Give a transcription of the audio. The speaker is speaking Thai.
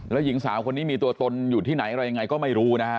แล้วหญิงสาวคนนี้มีตัวตนอยู่ที่ไหนอะไรยังไงก็ไม่รู้นะฮะ